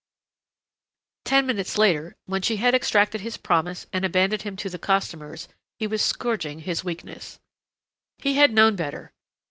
Ten minutes later, when she had extracted his promise and abandoned him to the costumers, he was scourging his weakness. He had known better!